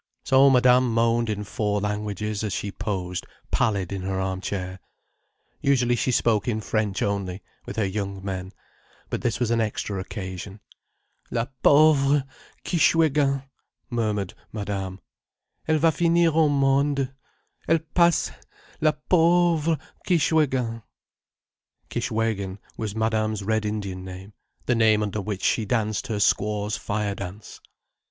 So Madame moaned in four languages as she posed pallid in her arm chair. Usually she spoke in French only, with her young men. But this was an extra occasion. "La pauvre Kishwégin!" murmured Madame. "Elle va finir au monde. Elle passe—la pauvre Kishwégin." Kishwégin was Madame's Red Indian name, the name under which she danced her Squaw's fire dance.